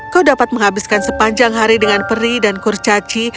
kau dapat menghabiskan sepanjang hari dengan peri dan kurcaci